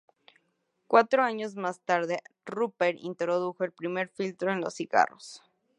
Cuatro años más tarde Rupert introdujo el primer filtro en los cigarrillos.